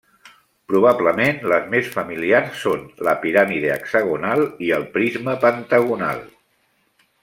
Probablement les més familiars són la piràmide hexagonal i el prisma pentagonal.